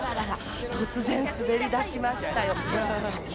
突然滑り出しましたよ。